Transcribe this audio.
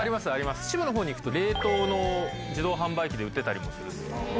秩父に行くと冷凍の自動販売機で売ってたりするんです。